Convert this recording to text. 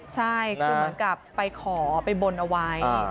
ใช่คือเหมือนกับไปขอไปบนเอาไว้